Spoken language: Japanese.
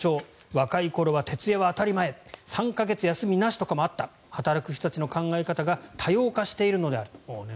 若い頃は徹夜は当たり前３か月休みなしとかもあった働く人たちの考え方が多様化しているのであると。